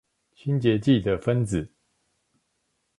清潔劑的分子